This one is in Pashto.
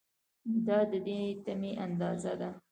دا د دې تمې اندازه ده.